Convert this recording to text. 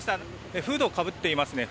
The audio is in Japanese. フードをかぶっています。